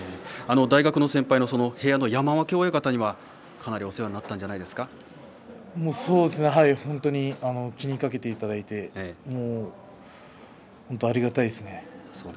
大学の先輩の部屋の山分親方にはかなりお世話に本当に気にかけていただいてありがたいですね。